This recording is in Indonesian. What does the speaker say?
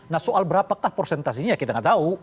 nah soal berapakah persentasenya kita gak tahu